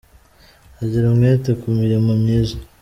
Agira umwete ku mirimo myiza ;